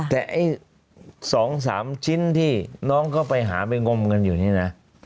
แต่ไอ้๒๓ชิ้นที่น้องเขาไปหาไปงมกันอยู่นี่นะ